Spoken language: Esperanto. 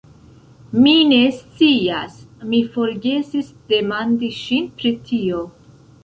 Mi ne scias, mi forgesis demandi ŝin pri tio.